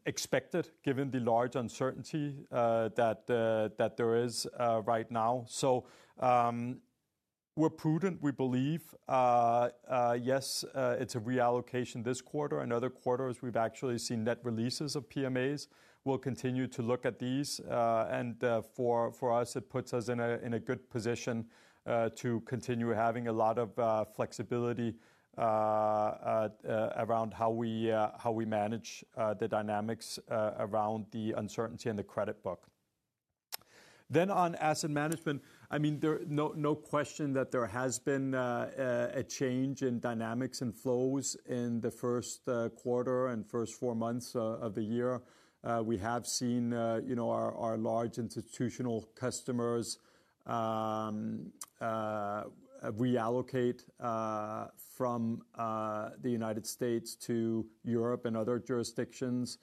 expected given the large uncertainty that there is right now. We're prudent, we believe. Yes, it's a reallocation this quarter. In other quarters, we've actually seen net releases of PMAs. We'll continue to look at these. For us, it puts us in a good position to continue having a lot of flexibility around how we manage the dynamics around the uncertainty and the credit book. On asset management, I mean, no question that there has been a change in dynamics and flows in the first quarter and first four months of the year. We have seen our large institutional customers reallocate from the United States to Europe and other jurisdictions,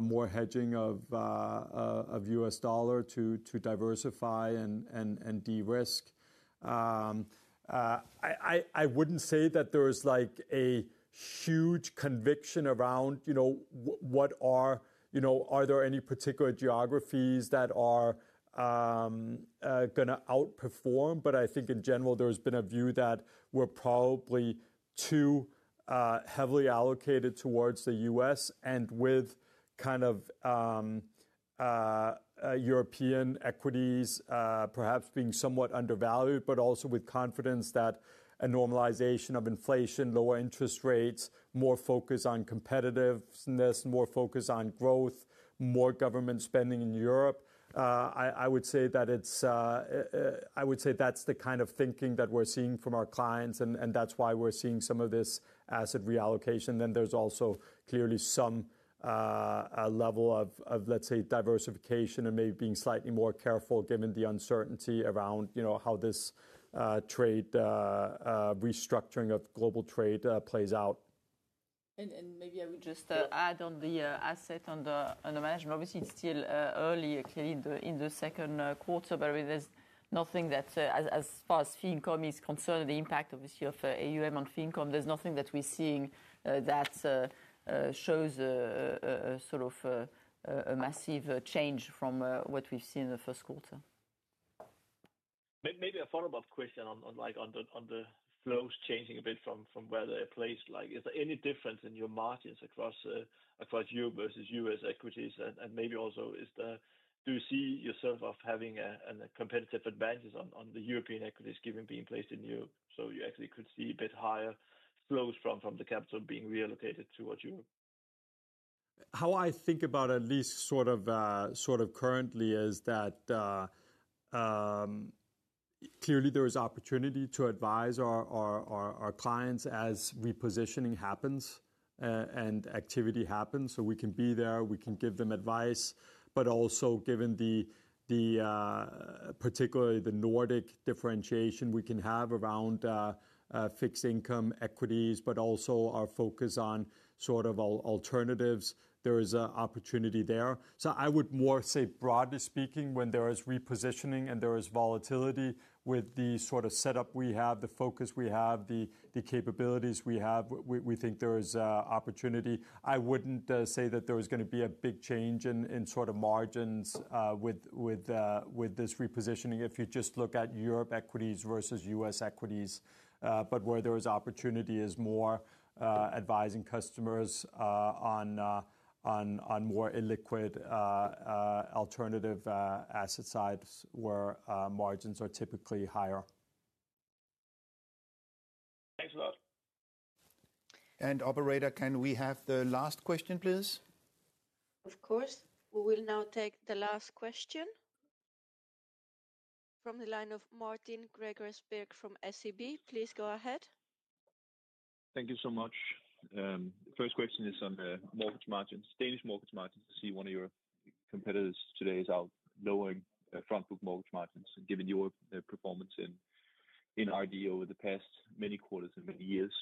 more hedging of U.S. dollar to diversify and de-risk. I would not say that there is a huge conviction around whether there are any particular geographies that are going to outperform. I think in general, there has been a view that we're probably too heavily allocated towards the U.S. and with kind of European equities perhaps being somewhat undervalued, but also with confidence that a normalization of inflation, lower interest rates, more focus on competitiveness, more focus on growth, more government spending in Europe. I would say that it's, I would say that's the kind of thinking that we're seeing from our clients. That's why we're seeing some of this asset reallocation. There is also clearly some level of, let's say, diversification and maybe being slightly more careful given the uncertainty around how this trade restructuring of global trade plays out. Maybe I would just add on the assets under management. Obviously, it's still early, clearly in the second quarter, but there's nothing that, as far as Fincom is concerned, the impact obviously of AUM on Fincom, there's nothing that we're seeing that shows sort of a massive change from what we've seen in the first quarter. Maybe a follow-up question on the flows changing a bit from where they're placed. Is there any difference in your margins across Europe versus U.S. equities? And maybe also, do you see yourself having a competitive advantage on the European equities being placed in Europe? You actually could see a bit higher flows from the capital being reallocated towards Europe? How I think about at least sort of currently is that clearly there is opportunity to advise our clients as repositioning happens and activity happens. We can be there, we can give them advice. Also, given particularly the Nordic differentiation we can have around fixed income equities, but also our focus on sort of alternatives, there is an opportunity there. I would more say, broadly speaking, when there is repositioning and there is volatility with the sort of setup we have, the focus we have, the capabilities we have, we think there is opportunity. I would not say that there is going to be a big change in sort of margins with this repositioning if you just look at Europe equities versus U.S. equities. Where there is opportunity is more advising customers on more illiquid alternative asset sides where margins are typically higher. Thanks a lot. Operator, can we have the last question, please? Of course. We will now take the last question from the line of Martin Gregers Birk from SEB. Please go ahead. Thank you so much. First question is on the mortgage margins. Danish mortgage margins, I see one of your competitors today is out lowering front-book mortgage margins. Given your performance in RD over the past many quarters and many years,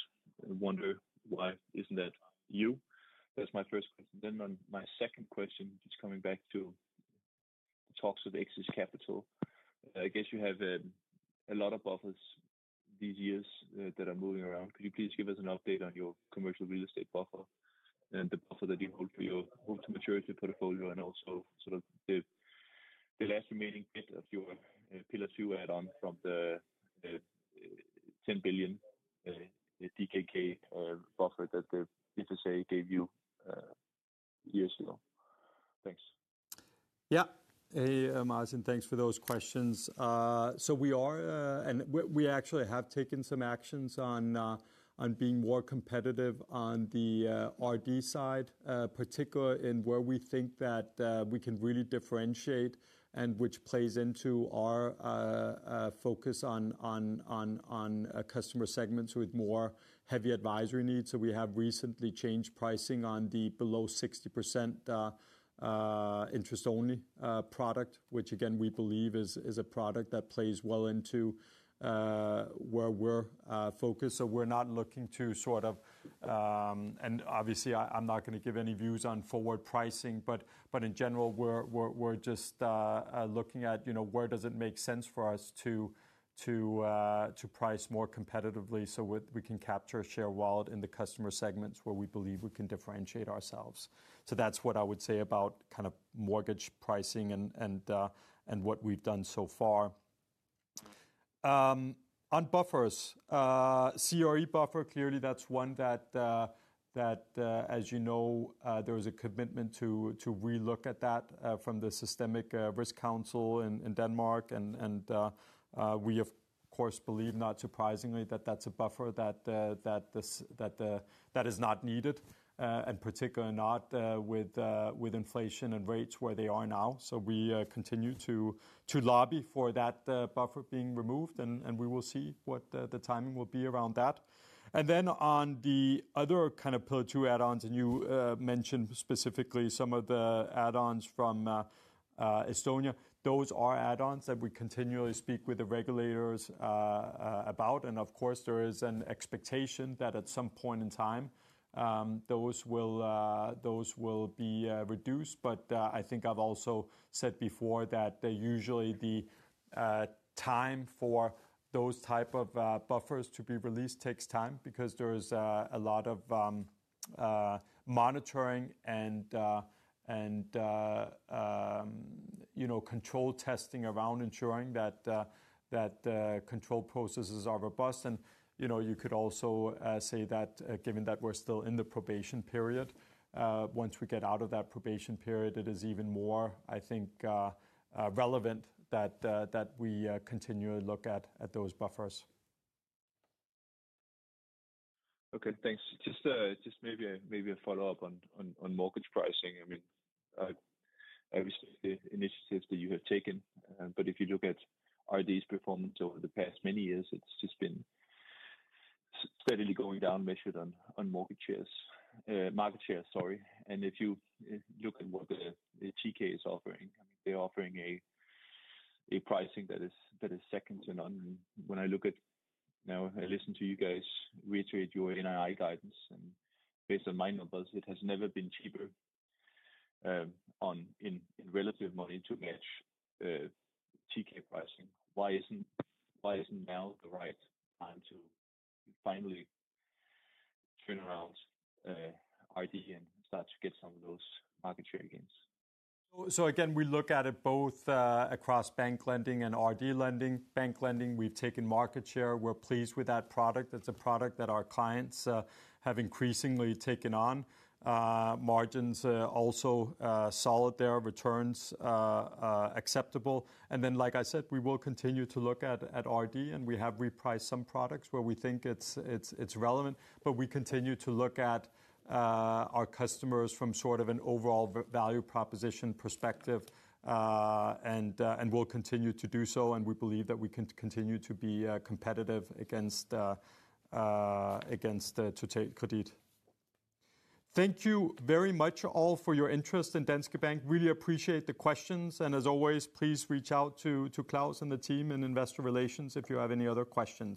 I wonder why isn't that you? That's my first question. On my second question, just coming back to the talks with Axis Capital, I guess you have a lot of buffers these years that are moving around. Could you please give us an update on your commercial real estate buffer and the buffer that you hold for your hold to maturity portfolio and also sort of the last remaining bit of your Pillar Two add-on from the 10 billion DKK buffer that the FSA gave you years ago? Thanks. Yeah. Hey, Martin, thanks for those questions. We are and we actually have taken some actions on being more competitive on the RD side, particularly in where we think that we can really differentiate and which plays into our focus on customer segments with more heavy advisory needs. We have recently changed pricing on the below 60% interest-only product, which again, we believe is a product that plays well into where we're focused. We're not looking to sort of and obviously, I'm not going to give any views on forward pricing, but in general, we're just looking at where does it make sense for us to price more competitively so we can capture a share wallet in the customer segments where we believe we can differentiate ourselves. That's what I would say about kind of mortgage pricing and what we've done so far. On buffers, CRE buffer, clearly that's one that, as you know, there was a commitment to re-look at that from the Systemic Risk Council in Denmark. We, of course, believe not surprisingly that that's a buffer that is not needed, and particularly not with inflation and rates where they are now. We continue to lobby for that buffer being removed. We will see what the timing will be around that. On the other kind of Pillar Two add-ons, and you mentioned specifically some of the add-ons from Estonia, those are add-ons that we continually speak with the regulators about. Of course, there is an expectation that at some point in time, those will be reduced. I think I've also said before that usually the time for those type of buffers to be released takes time because there is a lot of monitoring and control testing around ensuring that control processes are robust. You could also say that given that we're still in the probation period, once we get out of that probation period, it is even more, I think, relevant that we continue to look at those buffers. Okay. Thanks. Just maybe a follow-up on mortgage pricing. I mean, obviously, the initiatives that you have taken, but if you look at RD's performance over the past many years, it's just been steadily going down, measured on mortgage shares, market shares, sorry. If you look at what the TK is offering, I mean, they're offering a pricing that is second to none. When I look at now, I listen to you guys reiterate your NII guidance. Based on my numbers, it has never been cheaper in relative money to match TK pricing. Why isn't now the right time to finally turn around RD and start to get some of those market share gains? Again, we look at it both across bank lending and RD lending. Bank lending, we've taken market share. We're pleased with that product. It's a product that our clients have increasingly taken on. Margins also solid there, returns acceptable. Like I said, we will continue to look at RD, and we have repriced some products where we think it's relevant. We continue to look at our customers from sort of an overall value proposition perspective. We'll continue to do so. We believe that we can continue to be competitive against Credit. Thank you very much all for your interest in Danske Bank. Really appreciate the questions. As always, please reach out to Claus and the team in investor relations if you have any other questions.